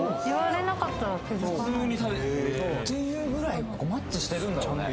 うんっていうぐらいマッチしてるんだろうね